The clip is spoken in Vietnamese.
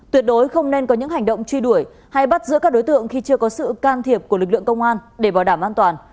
tuyệt đối không nên có những hành động truy đuổi hay bắt giữ các đối tượng khi chưa có sự can thiệp của lực lượng công an để bảo đảm an toàn